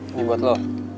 ini buat lo